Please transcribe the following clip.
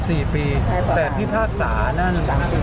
ติด๔ปีแต่พี่ภาคสานั่น